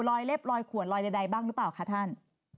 รอยเล็บรอยข่วนรอยใดบ้างบ้างค่ะท่าน